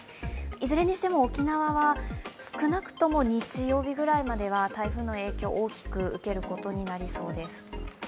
いずれにしても沖縄は少なくとも日曜日ぐらいまでは台風の影響、大きく受けることになりそうです。